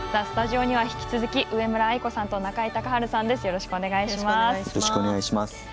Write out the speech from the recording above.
スタジオには引き続き上村愛子さんと中井孝治さんです。